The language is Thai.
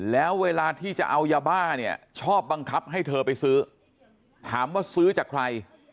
แล้วเวลาที่จะเอายาบ้าเนี่ยชอบบังคับให้เธอไปซื้อถามว่าซื้อจากใคร